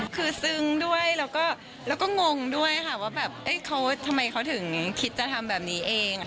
คือซึ้งด้วยแล้วก็งงด้วยค่ะว่าแบบเขาทำไมเขาถึงคิดจะทำแบบนี้เอง